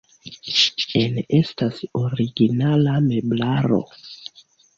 En estas originala meblaro.